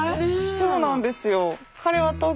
そうなんですよ。